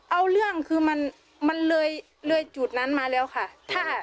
เอาเรื่องคือมันเลยจุดนั้นมาแล้วค่ะ